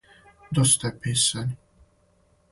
Доста је писања.